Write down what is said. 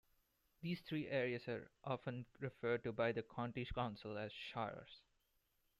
These three areas are often referred to by the county council as "shires".